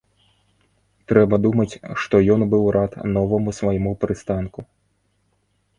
Трэба думаць што ён быў рад новаму свайму прыстанку.